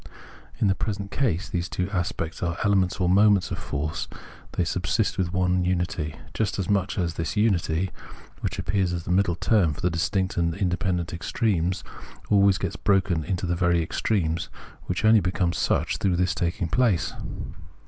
In the present case these two aspects are elements or moments of force ; they subsist within one unity, just as much as this unity, which appears as the middle term for the distinct and independent extremes, always gets broken up into these very extremes, which only become such through this taking place.